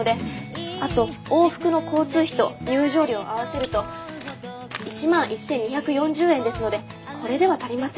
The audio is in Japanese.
あと往復の交通費と入場料を合わせると１万１，２４０円ですのでこれでは足りません。